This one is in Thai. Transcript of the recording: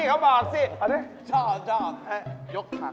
ขอบคุณมากครับจ้างขอบคุณครับ